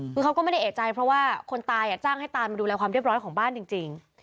คือเขาก็ไม่ได้เอกใจเพราะว่าคนตายจ้างให้ตายมาดูแลความเรียบร้อยของบ้านจริง